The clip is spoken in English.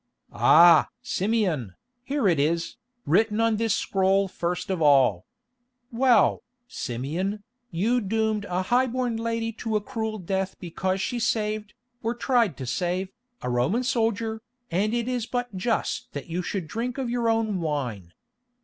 "Ah! Simeon, here it is, written on this scroll first of all. Well, Simeon, you doomed a high born lady to a cruel death because she saved, or tried to save, a Roman soldier, and it is but just that you should drink of your own wine.